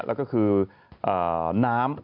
แล้วก็คือน้ำ